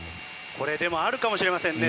これ、でもあるかもしれませんね。